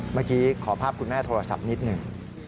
เมื่อกี้ขอภาพคุณแม่โทรศัพท์นิดหนึ่ง